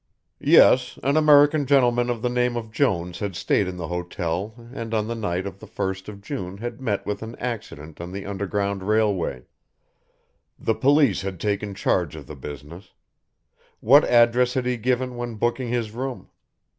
"Yes, an American gentleman of the name of Jones had stayed in the hotel and on the night of the first of June had met with 'an accident' on the underground railway. The police had taken charge of the business. What address had he given when booking his room?